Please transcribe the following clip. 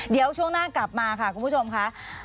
เดี๋ยวช่วงหน้ากลับมาค่ะคุณผู้ชมค่ะ